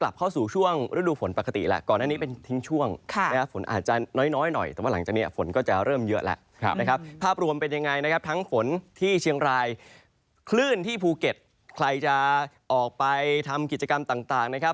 แล้วก็หลังจากนี้ก็จะเป็นช่วงที่เขาเรียกว่า